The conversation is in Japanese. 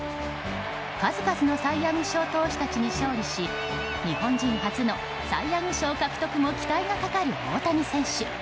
数々のサイ・ヤング賞投手たちに勝利し日本人初のサイ・ヤング賞獲得の期待がかかる大谷選手。